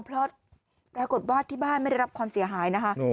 เพราะปรากฏว่าที่บ้านไม่ได้รับความเสียหายนะคะ